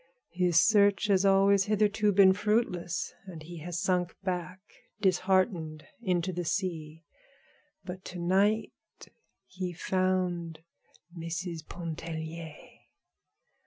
His search has always hitherto been fruitless, and he has sunk back, disheartened, into the sea. But to night he found Mrs. Pontellier.